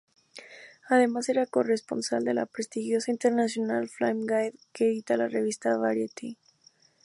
Además, era corresponsal de la prestigiosa International Filme Guide que edita la revista "Variety".